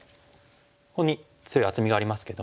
ここに強い厚みがありますけども。